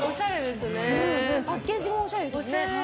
パッケージもおしゃれですよね。